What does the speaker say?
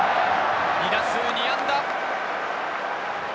２打数２安打。